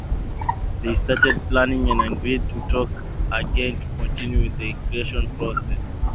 They started planning and agreed to talk again to continue with the creation process.